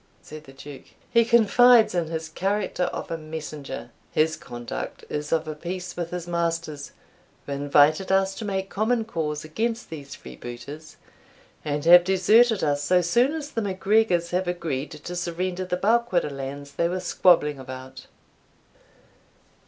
said the Duke; "he confides in his character of a messenger. His conduct is of a piece with his master's, who invited us to make common cause against these freebooters, and have deserted us so soon as the MacGregors have agreed to surrender the Balquhidder lands they were squabbling about.